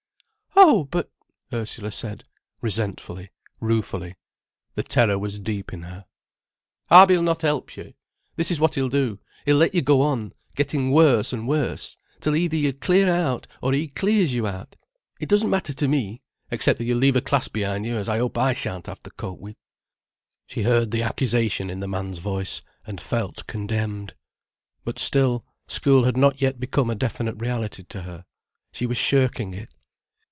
"Oh, but——" Ursula said, resentfully, ruefully. The terror was deep in her. "Harby'll not help you. This is what he'll do—he'll let you go on, getting worse and worse, till either you clear out or he clears you out. It doesn't matter to me, except that you'll leave a class behind you as I hope I shan't have to cope with." She heard the accusation in the man's voice, and felt condemned. But still, school had not yet become a definite reality to her. She was shirking it.